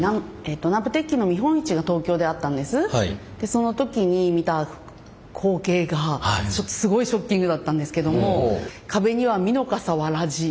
その時に見た光景がすごいショッキングだったんですけども壁にはみのかさわらじ。